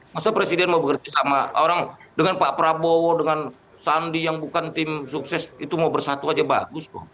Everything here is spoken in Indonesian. masa presiden mau bekerja sama orang dengan pak prabowo dengan sandi yang bukan tim sukses itu mau bersatu aja bagus kok